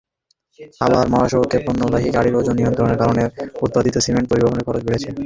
আবার মহাসড়কে পণ্যবাহী গাড়ির ওজন নিয়ন্ত্রণের কারণে উৎপাদিত সিমেন্ট পরিবহনেও খরচ বেড়েছে।